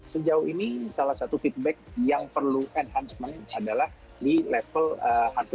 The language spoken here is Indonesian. sejauh ini salah satu feedback yang perlu enhancement adalah di level hardware nya sendiri